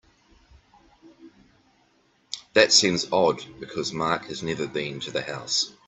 That seems odd because Mark has never been to the house.